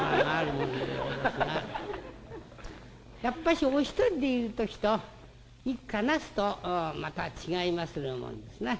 やっぱしお一人でいる時と一家なすとまた違いまするもんですな。